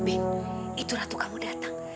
itu ratu kamu datang